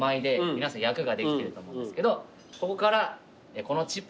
皆さん役ができてると思うんですけどここから。